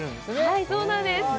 はいそうなんです